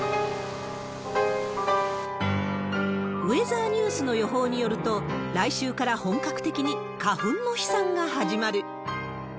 ウェザーニュースの予報によると、来週から本格的に花粉の飛散が始まる。